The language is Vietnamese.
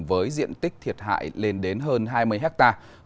với diện tích thiệt hại lên đến hơn hai mươi hectare